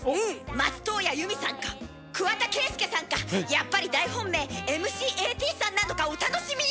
松任谷由実さんか桑田佳祐さんかやっぱり大本命ｍ．ｃ．Ａ・Ｔさんなのかお楽しみに！